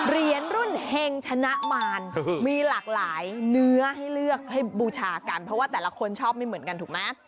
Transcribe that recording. เหรียญรุ่นเฮงชนะมารมีหลากหลายเนื้อให้เลือกให้บูชากันเพราะว่าแต่ละคนชอบไม่เหมือนกันถูกไหม